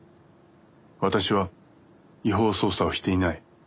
私は違法捜査をしていない。